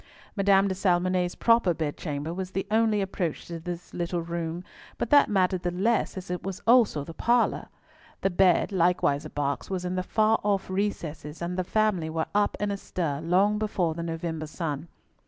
Madame de Salmonnet's proper bed chamber was the only approach to this little room, but that mattered the less as it was also the parlour! The bed, likewise a box, was in the far off recesses, and the family were up and astir long before the November sun.